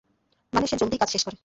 মানে, সে জলদিই কাজ শেষ করে।